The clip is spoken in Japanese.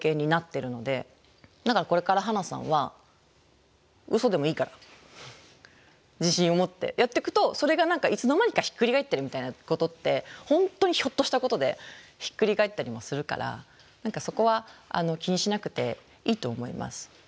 だからこれからハナさんはウソでもいいから自信を持ってやっていくとそれが何かいつの間にかひっくり返ってるみたいなことって本当にひょっとしたことでひっくり返ったりもするから何かそこは気にしなくていいと思います。